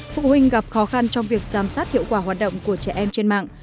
phụ huynh gặp khó khăn trong việc giám sát hiệu quả hoạt động của trẻ em trên mạng